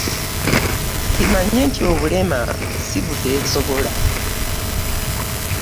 Kimanye nti obulema sibutesobola